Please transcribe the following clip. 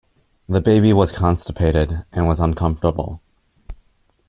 The baby was constipated and was uncomfortable.